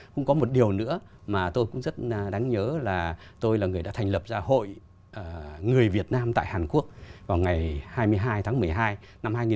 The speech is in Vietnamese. cũng có một điều nữa mà tôi cũng rất đáng nhớ là tôi là người đã thành lập ra hội người việt nam tại hàn quốc vào ngày hai mươi hai tháng một mươi hai năm hai nghìn một mươi chín